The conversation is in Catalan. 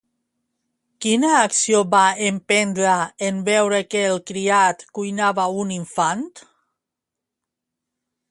Quina acció va emprendre en veure que el criat cuinava un infant?